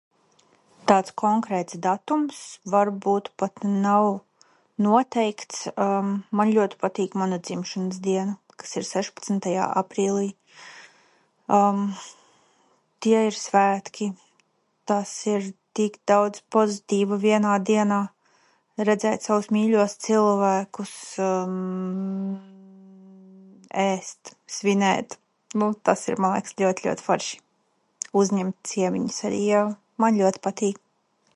Tāds konkrēts datums varbūt pat nav noteikts. Man ļoti patīk mana dzimšanas diena, kas ir sešpadsmitajā aprīlī. Tie ir svētki. Tas ir tik daudz pozitīva vienā dienā. Redzēt savus mīļos cilvēkus, ēst, svinēt, nu tas ir, man liekas, ļoti, ļoti forši. Uzņemt ciemiņus arī, jā, man ļoti patīk.